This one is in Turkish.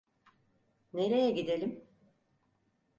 Nereye gidelim?